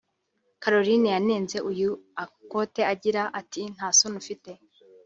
Caroline yanenze uyu Akothee agira ati “Nta soni ufite